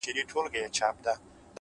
هره هڅه خپل دوامداره اثر لري؛